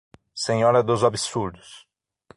Senhora dos absurdos